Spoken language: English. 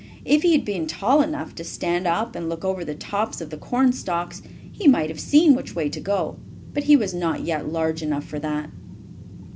If he had been tall enough to stand up and look over the tops of the corn stalks, he might have seen which way to go, but he was not yet large enough for that.